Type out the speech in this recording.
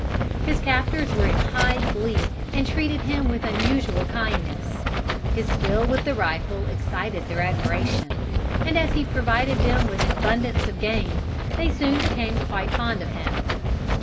His captors were in high glee, and treated him with unusual kindness. His skill with the rifle excited their admiration, and as he provided them with abundance of game, they soon became quite fond of him.